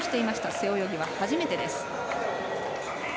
背泳ぎは初めてです。